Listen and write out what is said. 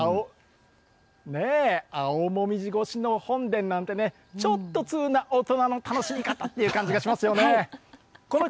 青もみじ越しの本殿なんてねちょっと通な大人の楽しみ方って感じがしますよね。